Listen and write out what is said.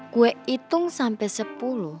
gue hitung sampai sepuluh